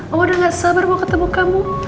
allah udah gak sabar mau ketemu kamu